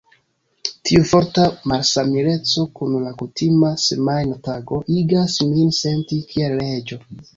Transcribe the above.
Tiu forta malsamileco kun la kutima semajna tago igas min senti kiel reĝo.